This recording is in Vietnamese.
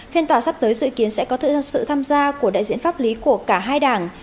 phiên tòa sắp tới dự kiến sẽ có thời gian sự tham gia của đại diện pháp lý của cả hai đảng